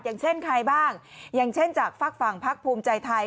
อย่างเช่นใครบ้างอย่างเช่นจากฝั่งภักดิ์ภักดิ์ภูมิใจไทย